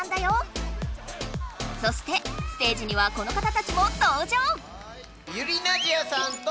そしてステージにはこのかたたちもとう場！